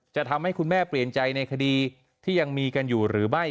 จะทำให้คุณแม่เปลี่ยนใจในคดีที่ยังมีกันอยู่หรือไม่